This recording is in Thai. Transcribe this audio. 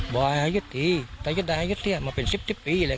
บอกให้ยึดทีแต่ยึดที่มาเป็น๑๐๑๐ปีเลย